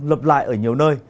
lập lại ở nhiều nơi